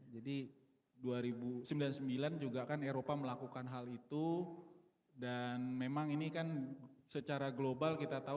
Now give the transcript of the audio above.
jadi dua ribu sembilan juga kan eropa melakukan hal itu dan memang ini kan secara global kita tahu